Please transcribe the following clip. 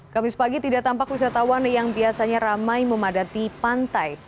kamis pagi tidak tampak wisatawan yang biasanya ramai memadati pantai